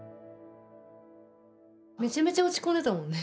めちゃめちゃ落ち込んでたもんね。